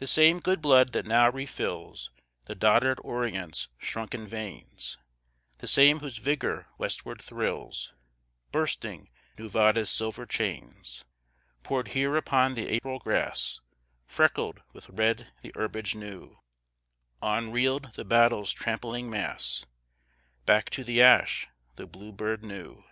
The same good blood that now refills The dotard Orient's shrunken veins, The same whose vigor westward thrills, Bursting Nevada's silver chains, Poured here upon the April grass, Freckled with red the herbage new; On reeled the battle's trampling mass, Back to the ash the bluebird new.